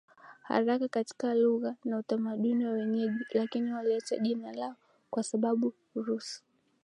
haraka katika lugha na utamaduni wa wenyeji lakini waliacha jina lao kwa sababu Rus